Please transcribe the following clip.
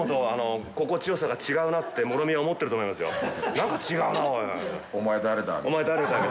何か違うなぁ、おい。